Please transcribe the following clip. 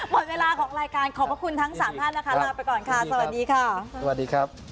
โปรดติดตามตอนต่อไป